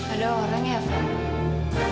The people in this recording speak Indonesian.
ada orang ya fah